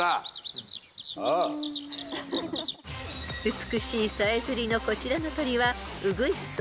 ［美しいさえずりのこちらの鳥はウグイスと